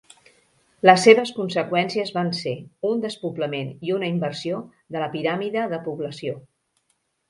Les seves conseqüències van ser, un despoblament i una inversió de la piràmide de població.